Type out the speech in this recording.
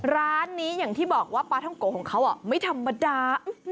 ร้านนี้อย่างที่บอกว่าปลาท่องโกะของเขาไม่ธรรมดา